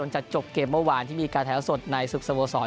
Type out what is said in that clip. หลังจากจบเกมเมื่อวานที่มีกระแถวสดในสุขสโวศร